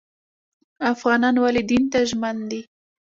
افغانان ولې دین ته ژمن دي؟